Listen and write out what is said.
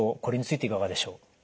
これについていかがでしょう？